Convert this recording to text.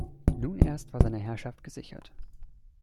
Nun erst war seine Herrschaft gesichert.